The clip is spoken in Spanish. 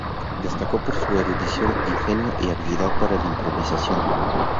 Destacó por su erudición, ingenio y habilidad para la improvisación.